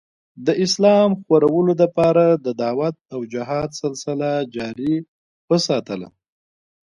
د اسلام خورلو دپاره د دعوت او جهاد سلسله جاري اوساتله